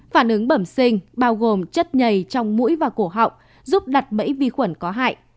phản ứng bẩm sinh bao gồm chất nhầy trong mũi và cổ họng giúp đặt bẫy vi khuẩn có hại